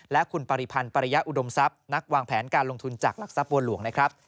และคุณปริพันธ์ปริยะอุดมทรัพย์นักวางแผนการลงทุนจากหลักทรัพย์บัวหลวงนะครับ